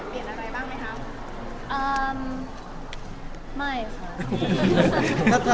ไม่ค่ะ